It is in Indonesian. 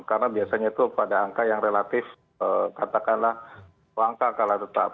karena biasanya itu pada angka yang relatif katakanlah langka kalah tetap